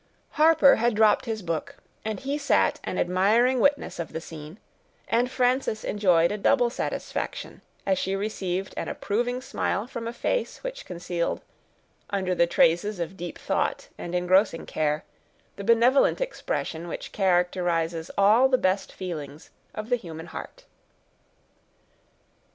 Harper had dropped his book, and he sat an admiring witness of the scene; and Frances enjoyed a double satisfaction, as she received an approving smile from a face which concealed, under the traces of deep thought and engrossing care, the benevolent expression which characterizes all the best feelings of the human heart.